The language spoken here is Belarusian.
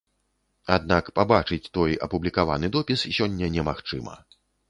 Аднак пабачыць той апублікаваны допіс сёння немагчыма.